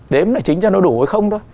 đếm là chính cho nó đủ hay không thôi